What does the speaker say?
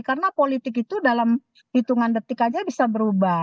karena politik itu dalam hitungan detik aja bisa berubah